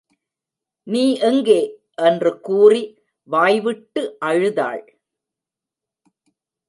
நீ எங்கே? என்று கூறி வாய்விட்டு அழுதாள்.